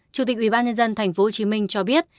chủ tịch ubnd tp hcm cho biết